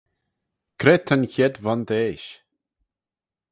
Cre ta'n chied vondeish?